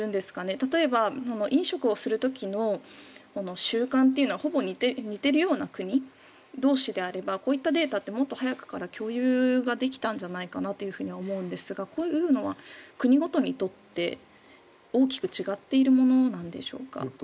例えば、飲食をする時の習慣というのはほぼ似ているような国同士であればこういったデータってもっと早くから共有ができたんじゃないかなと思うんですがこういうのは国ごとにとって大きく違っているものなんでしょうか？